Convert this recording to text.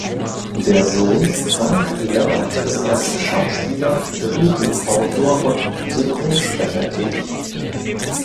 Der Sohn Frank Lenart ist als Schauspieler, Drehbuchautor und Synchronsprecher tätig.